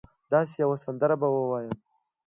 داسي یوه سندره به ووایم